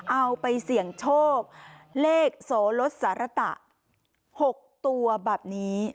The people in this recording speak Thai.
เอาไปเสี่ยงโชคเลขโสลสารตะ๖ตัวแบบนี้